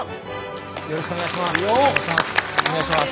よろしくお願いします。